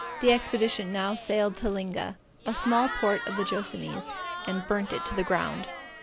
The expedition now sailed to Linga, a small port of the Joassamees, and burnt it to the ground.